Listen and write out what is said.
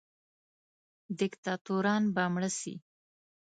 دیکتاتوران به مړه سي.